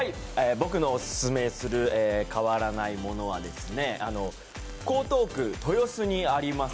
僕のオススメする変わらないものは、江東区豊洲にあります